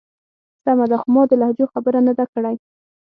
سمه ده. خو ما د لهجو خبره نه ده کړی.